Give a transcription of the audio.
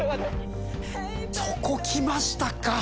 そこきましたか。